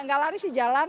nggak lari sih jalan